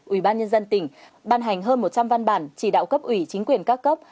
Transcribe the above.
ủy ban nhân dân tỉnh ban hành hơn một trăm linh văn bản chỉ đạo cấp ủy chính quyền các cấp